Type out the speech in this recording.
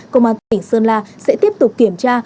công an tỉnh sơn la sẽ tiếp tục kiểm tra